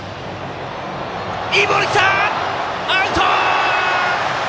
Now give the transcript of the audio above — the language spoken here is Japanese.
いいボールが来て、アウト！